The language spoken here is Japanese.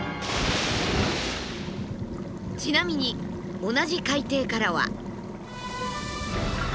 ちなみに同じ海底からは。